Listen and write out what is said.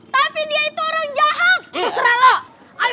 tapi dia itu orang jahat